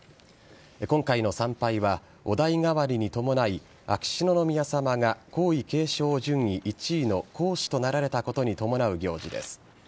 今回の参拝は御代替わりに伴い秋篠宮さまが皇位継承順位１位の皇嗣となられたことに伴う行事です。